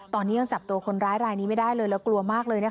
ตอนนี้ยังจับตัวคนร้ายรายนี้ไม่ได้เลยแล้วกลัวมากเลยนะคะ